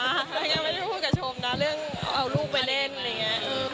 ยังไม่ได้พูดกับชมนะเรื่องเอาลูกไปเล่นอะไรอย่างนี้